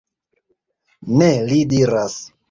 Ne, li diras.